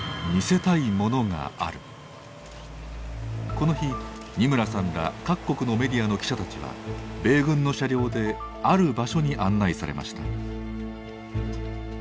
この日二村さんら各国のメディアの記者たちは米軍の車両である場所に案内されました。